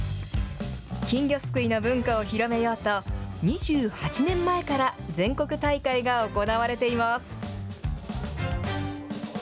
金魚すくいの文化を広めようと、２８年前から全国大会が行われています。